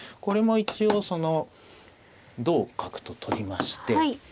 これも一応その同角と取りまして。